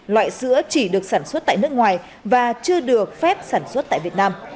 loại sữa chỉ được sản xuất tại nước ngoài và chưa được phép sản xuất tại việt nam